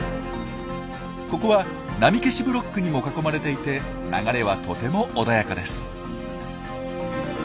ここは波消しブロックにも囲まれていて流れはとても穏やかです。